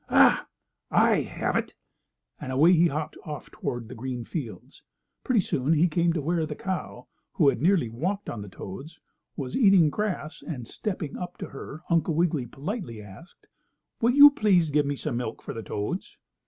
Ah, I have it!" and away he hopped off toward the green fields. Pretty soon he came to where the cow, who had nearly walked on the toads, was eating grass, and, stepping up to her, Uncle Wiggily politely asked: "Will you please give me some milk for the toads?"